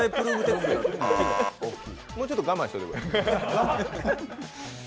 もうちょっと我慢しといてくれ。